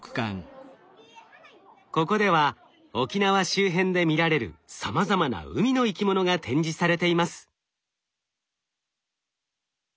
ここでは沖縄周辺で見られるさまざまな海の生き物が展示されています。